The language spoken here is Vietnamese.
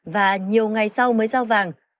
và nhiều ngày sau mới giao vàng